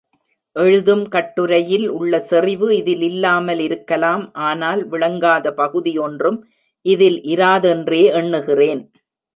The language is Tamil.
எழுதும் கட்டுரையில் உள்ள செறிவு இதில் இல்லாமல் இருக்கலாம் ஆனால் விளங்காத பகுதி ஒன்றும் இதில் இராதென்றே எண்ணுகிறேன்.